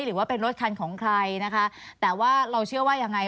หรือว่าเป็นรถคันของใครนะคะแต่ว่าเราเชื่อว่ายังไง